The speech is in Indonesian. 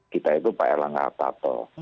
kita itu pak erlangga hartarto